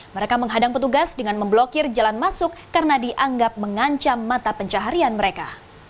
mereka menghadang petugas dengan memblokir jalan masuk karena dianggap mengancam mata pencaharian mereka